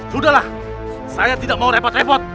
sudahlah saya tidak mau repot repot